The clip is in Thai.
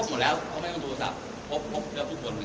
หมดแล้วเขาไม่ต้องโทรศัพท์พบแล้วทุกคน